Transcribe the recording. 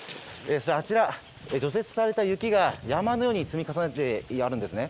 あちら、除雪された雪が山のように積み重ねてあるんですね。